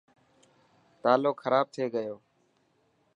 تالو خراب ٿي گيو.